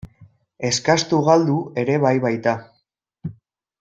Eskastu galdu ere bai baita.